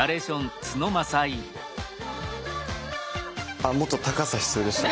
あもっと高さ必要でした？